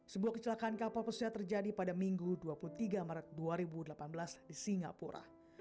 sebuah kecelakaan kapal pesiar terjadi pada minggu dua puluh tiga maret dua ribu delapan belas di singapura